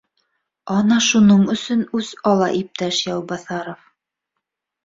Ана шуның өсөн үс ала иптәш Яубаҫаров